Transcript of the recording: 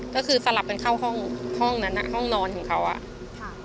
ก็คือสลับเป็นเข้าห้องนั้นอ่ะห้องนอนของเขาอ่ะ